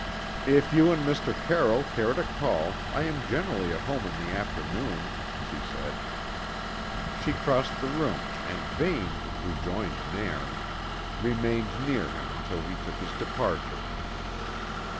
"If you and Mr. Carroll care to call, I am generally at home in the afternoon," she said. She crossed the room, and Vane, who joined Nairn, remained near him until he took his departure.